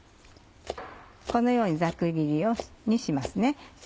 このようにざく切りにします。